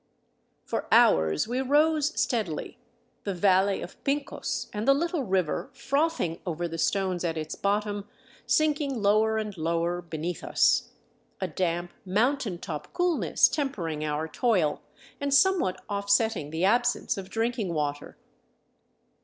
For hours we rose steadily, the valley of Pincos and the little river, frothing over the stones at its bottom, sinking lower and lower beneath us, a damp mountain top coolness tempering our toil and somewhat offsetting the absence of drinkingwater.